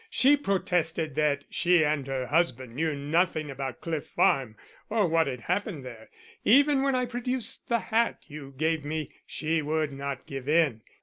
She protested that she and her husband knew nothing about Cliff Farm, or what had happened there. Even when I produced the hat you gave me she would not give in.